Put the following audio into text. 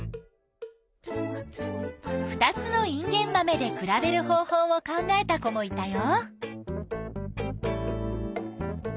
２つのインゲンマメで比べる方法を考えた子もいたよ。